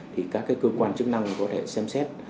thì các cơ quan chức năng có thể xem xét